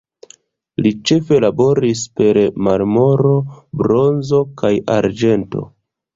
Li ĉefe laboris per marmoro, bronzo kaj arĝento.